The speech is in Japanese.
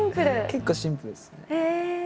結構シンプルですね。